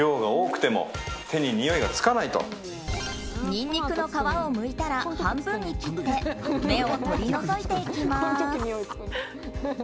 ニンニクの皮をむいたら半分に切って芽を取り除いていきます。